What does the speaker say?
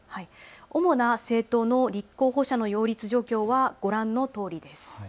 主な政党の立候補者の擁立状況はご覧のとおりです。